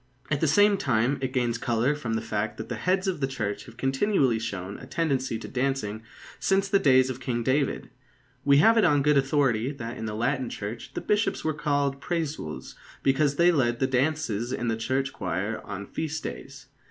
At the same time, it gains colour from the fact that the heads of the Church have continually shown a tendency to dancing since the days of King David. We have it on good authority that in the Latin Church the Bishops were called Præsules because they led the dances in the church choir on feast days.